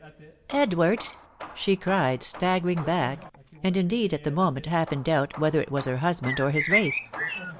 * Edward,' she cried, staggering back, and indeed at the moment half in doubt whether it was her husband or his wraith.